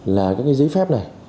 là cái giấy phép này